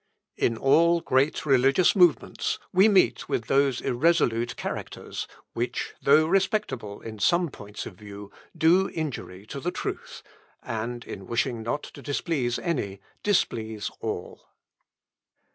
In all great religious movements we meet with those irresolute characters, which, though respectable in some points of view, do injury to the truth, and, in wishing not to displease any, displease all.